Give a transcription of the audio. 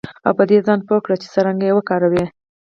او په دې ځان پوه کړئ چې څرنګه یې وکاروئ